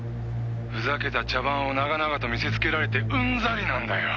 「ふざけた茶番を長々と見せつけられてウンザリなんだよ！